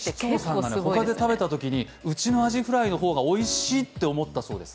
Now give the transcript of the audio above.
市長さんがほかで食べたときに、うちのアジフライの方がおいしいと思ったそうです。